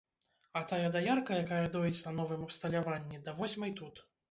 А тая даярка, якая доіць на новым абсталяванні, да восьмай тут.